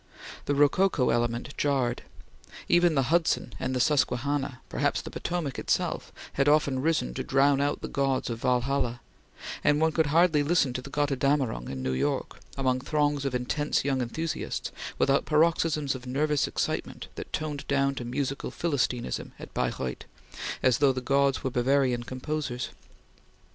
The rococo element jarred. Even the Hudson and the Susquehanna perhaps the Potomac itself had often risen to drown out the gods of Walhalla, and one could hardly listen to the "Gotterdammerung" in New York, among throngs of intense young enthusiasts, without paroxysms of nervous excitement that toned down to musical philistinism at Baireuth, as though the gods were Bavarian composers.